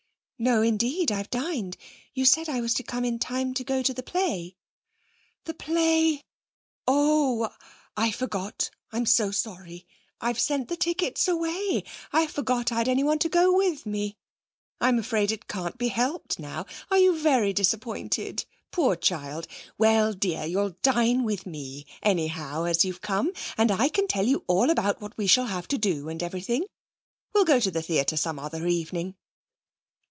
'No, indeed. I've dined. You said I was to come in time to go to the play.' 'The play? Oh! I forgot. I'm so sorry. I've sent the tickets away. I forgot I'd anyone to go with me. I'm afraid it can't be helped now. Are you very disappointed? Poor child. Well, dear, you'll dine with me, anyhow, as you've come, and I can tell you all about what we shall have to do, and everything. We'll go to the theatre some other evening.'